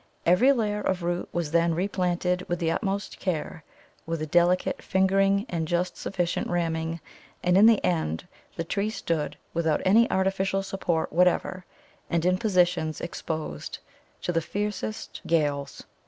Every layer of roots was then replanted with the utmost care, with delicate fingering and just sufficient ramming, and in the end the tree stood without any artificial support whatever, and in positions exposed to the fiercest gales.